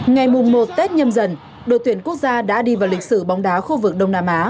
ngày một tết nhâm dần đội tuyển quốc gia đã đi vào lịch sử bóng đá khu vực đông nam á